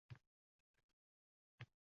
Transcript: — Sulaymon Azimovning «dumi»san, deb!